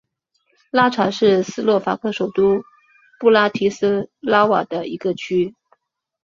拉察是斯洛伐克首都布拉提斯拉瓦的一个区。